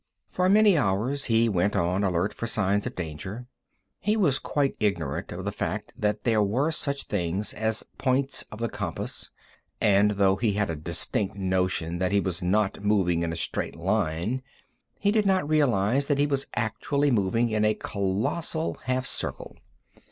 For many hours he went on, alert for signs of danger. He was quite ignorant of the fact that there were such things as points of the compass, and though he had a distinct notion that he was not moving in a straight line, he did not realize that he was actually moving in a colossal half circle.